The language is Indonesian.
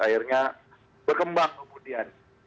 akhirnya berkembang kemudian